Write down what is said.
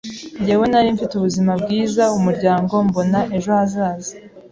Jyewe nari mfite ubuzima bwiza, umuryango, mbona ejo hazaza,